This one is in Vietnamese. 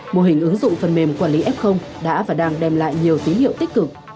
mô hình ứng dụng phần mềm quản lý f đã và đang đem lại nhiều tín hiệu tích cực